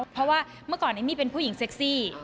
เพราะว่าเมื่อก่อนเอมมี่เป็นผู้หญิงเซ็กซี่